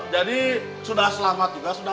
jadi sudah selamat juga sudah